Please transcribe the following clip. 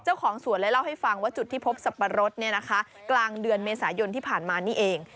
เจ้าของสวนเลยเล่าให้ฟังว่าจุดที่พบสับปะรดกลางเดือนเมษายนที่ผ่านมานี่เอง